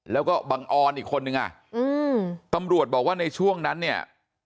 แล้วก็บังออนอีกคนนึงอ่ะอืมตำรวจบอกว่าในช่วงนั้นเนี่ย